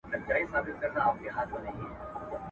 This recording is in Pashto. يو يې خوب يو يې خوراك يو يې آرام وو.